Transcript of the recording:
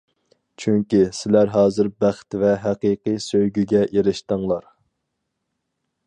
چۈنكى، سىلەر ھازىر بەخت ۋە ھەقىقىي سۆيگۈگە ئېرىشتىڭلار.